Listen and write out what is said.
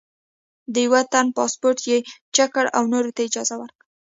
د یوه تن پاسپورټ یې چیک کړ او نورو ته یې اجازه ورکړه.